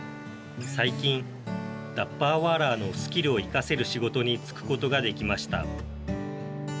最近、ダッバーワーラーのスキルを生かせる仕事に就くことができました。